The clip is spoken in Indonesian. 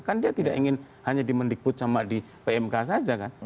kan dia tidak ingin hanya di mendikbud sama di pmk saja kan